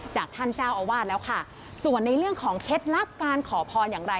จากท่านเจ้าอาวาสแล้วค่ะส่วนในเรื่องของเคล็ดลับการขอพรอย่างไร